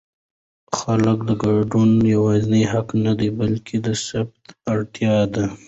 د خلکو ګډون یوازې حق نه دی بلکې د ثبات اړتیا ده